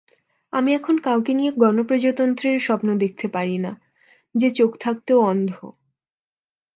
আমি এখন কাউকে নিয়ে গণপ্রজাতন্ত্রের স্বপ্ন দেখতে পারি না যে চোখ থাকতেও অন্ধ।